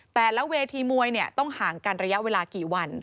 แต่ละเวทีมวยต้องห่างกันระยะเวลากี่วัน